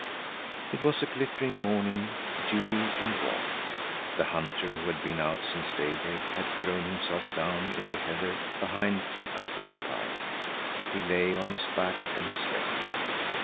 It was a glittering morning, dewy and warm. The hunter who had been out since daybreak had thrown himself down in the heather behind King Atle's pile. He lay on his back and slept.